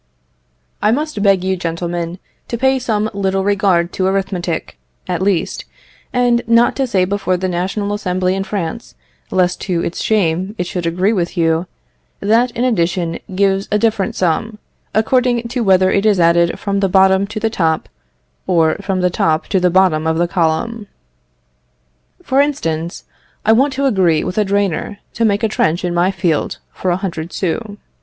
I must beg you, gentlemen, to pay some little regard to arithmetic, at least; and not to say before the National Assembly in France, lest to its shame it should agree with you, that an addition gives a different sum, according to whether it is added up from the bottom to the top, or from the top to the bottom of the column. For instance, I want to agree with a drainer to make a trench in my field for a hundred sous.